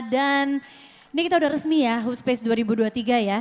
dan ini kita udah resmi ya hoopspace dua ribu dua puluh tiga ya